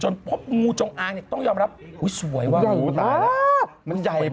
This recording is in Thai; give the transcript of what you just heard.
แล้วทิ้งไว้